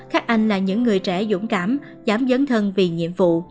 các anh là những người trẻ dũng cảm dám dấn thân vì nhiệm vụ